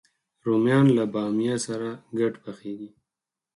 رومیان له بامیه سره ګډ پخېږي